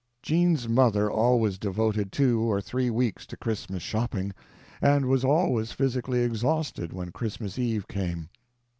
Jean's mother always devoted two or three weeks to Christmas shopping, and was always physically exhausted when Christmas Eve came.